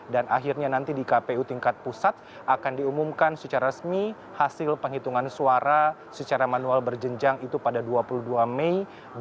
dan akhirnya nanti di kpu tingkat pusat akan diumumkan secara resmi hasil penghitungan suara secara manual berjenjang itu pada dua puluh dua mei dua ribu sembilan belas